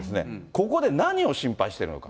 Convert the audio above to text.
ここで何を心配してるのか。